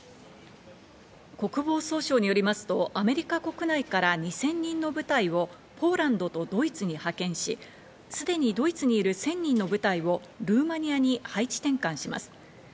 国防総省によりますと、アメリカ国内から２０００人の部隊をポーランドとドイツに派遣し、すでにドイツにいる１０００人の部隊をルーマニアに配置転換します。